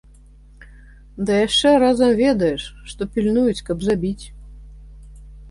Ды яшчэ разам ведаеш, што пільнуюць, каб забіць.